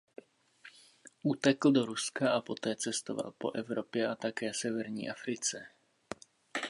Utekl do Ruska a poté cestoval po Evropě a také severní Africe.